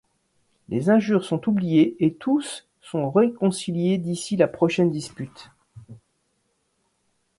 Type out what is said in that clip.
Les injures sont oubliées et tous sont réconciliés d'ici la prochaine dispute.